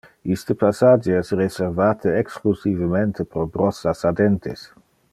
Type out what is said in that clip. Iste passage es reservate exclusivemente pro brossas a dentes.